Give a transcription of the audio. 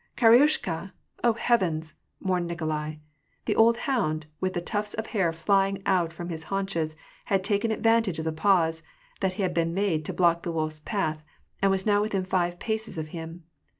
"Karaiushka! Oh, heavens!" mourned Nikolai. The old hound, with the tufts of hair flying out from his haunches, had tal^en advantage of the pause that he had made to block the wolfs path, and was now within five paces of him.